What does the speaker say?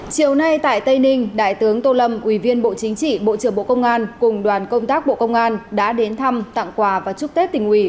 chiều nay tại tây ninh đại tướng tô lâm ủy viên bộ chính trị bộ trưởng bộ công an cùng đoàn công tác bộ công an đã đến thăm tặng quà và chúc tết tỉnh ủy